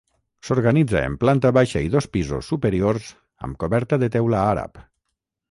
S'organitza en planta baixa i dos pisos superiors amb coberta de teula àrab.